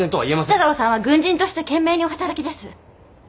吉太郎さんは軍人として懸命にお働きです。